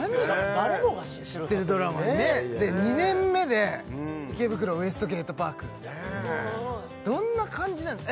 誰もが知る作品ね知ってるドラマにねで２年目で「池袋ウエストゲートパーク」どんな感じなんですか